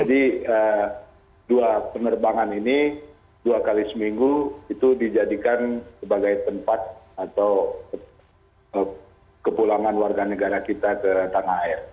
jadi dua penerbangan ini dua kali seminggu itu dijadikan sebagai tempat atau kepulangan warga negara kita ke tanah air